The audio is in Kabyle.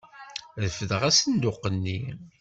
Refdeɣ asenduq-nni.